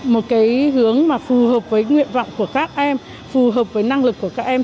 một cái hướng mà phù hợp với nguyện vọng của các em phù hợp với năng lực của các em